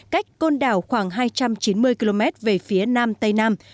cách côn đảo khoảng hai trăm chín mươi km về phía nam tây nam